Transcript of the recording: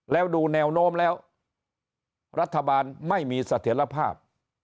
แล้วดูแนวโน้มแล้วรัฐบาลไม่มีเสถียรภาพ